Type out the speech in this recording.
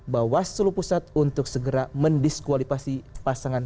bawaslu pusat untuk segera mendiskualifikasi pasangan